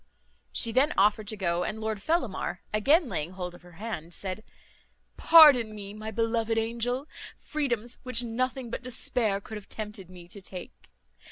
She then offered to go; and Lord Fellamar, again laying hold of her hand, said, "Pardon me, my beloved angel, freedoms which nothing but despair could have tempted me to take.